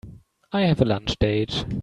I have a lunch date.